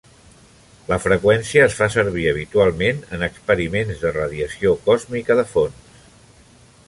La freqüència es fa servir habitualment en experiments de radiació còsmica de fons.